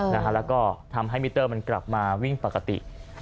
แล้วก็ทำให้มิเตอร์มันกลับมาวิ่งปกติ